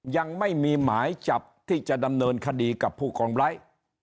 ยังไม่มีหมายจับที่จะดำเนินคดีกับผู้กองไร้